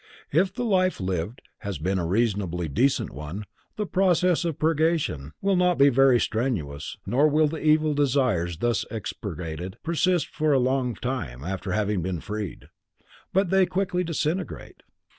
If the life lived has been a reasonably decent one, the process of purgation will not be very strenuous nor will the evil desires thus expurgated persist for a long time after having been freed, but they quickly disintegrate.